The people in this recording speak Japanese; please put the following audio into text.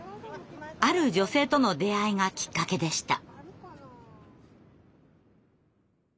ある女性との出会いがきっかけでした。